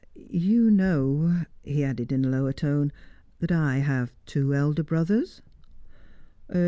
You know" he added in a lower tone "that I have two elder brothers?"